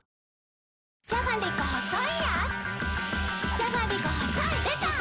じゃがりこ細いやーつ